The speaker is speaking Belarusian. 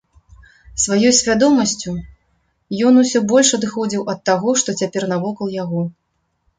Сваёй свядомасцю ён усё больш адыходзіў да таго, што цяпер навокал яго.